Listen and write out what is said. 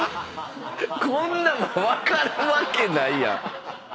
こんなん分かるわけないやん。